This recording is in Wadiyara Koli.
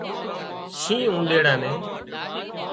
شينهن اُونۮيڙا نين